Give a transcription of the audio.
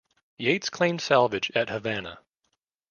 Yates claimed salvage at Havana.